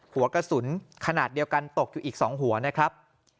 หัวกระสุนขนาดเดียวกันตกอยู่อีก๒หัวนะครับ